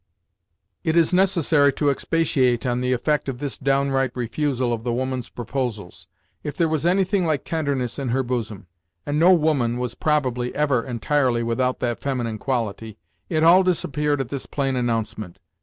It is unnecessary to expatiate on the effect of this downright refusal of the woman's proposals. If there was anything like tenderness in her bosom and no woman was probably ever entirely without that feminine quality it all disappeared at this plain announcement.